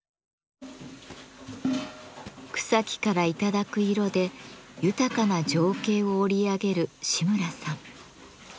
草木からいただく色で豊かな情景を織り上げる志村さん。